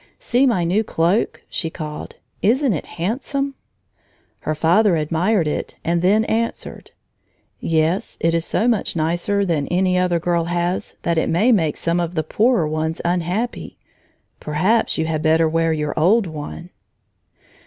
"See my new cloak," she called, "isn't it handsome?" Her father admired it and then answered: "Yes, it is so much nicer than any other girl has that it may make some of the poorer ones unhappy. Perhaps you had better wear your old one."